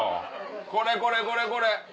これこれこれこれ。